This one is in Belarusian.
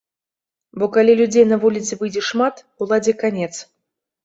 Бо калі людзей на вуліцы выйдзе шмат, уладзе канец.